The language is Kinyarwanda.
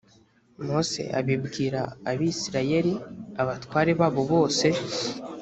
mose abibwira abisirayeli abatware babo bose